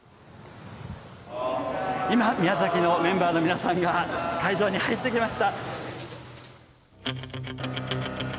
今、宮崎のメンバーの皆さんが会場に入ってきました。